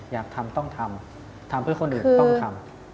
อยากทำต้องทำทำเพื่อคนอื่นต้องทำ